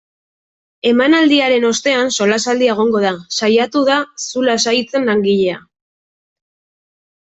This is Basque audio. Emanaldiaren ostean solasaldia egongo da, saiatu da zu lasaitzen langilea.